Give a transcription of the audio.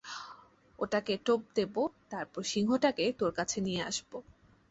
ওটাকে টোপ দেবো, তারপর সিংহটাকে তোর কাছে নিয়ে আসবো।